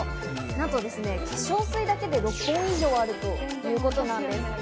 なんと化粧水だけで６本以上あるということなんですね。